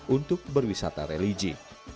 untuk berwisata religi